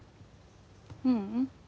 ううん。